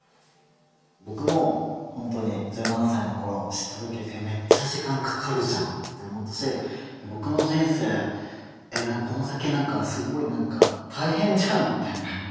僕も本当に１７歳の頃知った時えっめっちゃ時間かかるじゃんって思ったし僕の人生えっこの先何かすごい何か大変じゃんみたいな。